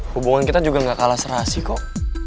hubungan kita juga gak kalah serasi kok